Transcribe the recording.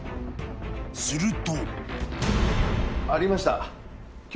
［すると］